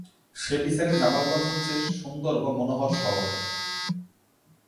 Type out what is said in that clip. সে বিচারে জামালগঞ্জ হচ্ছে সুন্দর বা মনোরম শহর।